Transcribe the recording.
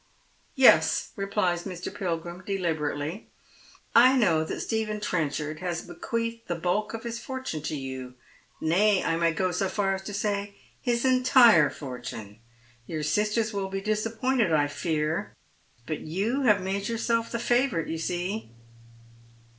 " Yes," replies Mr. Pilgrim, deliberately. " I know that Stephen Trenchard has bequeathed the bulk of his fortune to you ; nay, I may go so far as to say his entire fortune. Your sisters will be disappointed, I fear, but you have made yourself the favourite, you see."